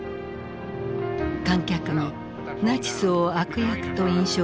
観客にナチスを悪役と印象